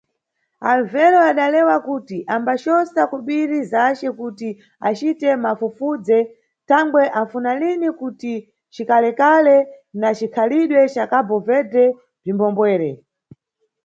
Alveno adalewa kuti ambacosa kubiri zace kuti acite mafufudze, thangwe anfunalini kuti cikalekale na cikhalidwe ca Cabo Verde bzwimbombowere.